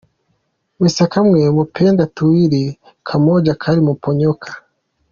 Mesa kamwe mupenda tuwili kamoja kali muponyoka.